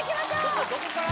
どこから？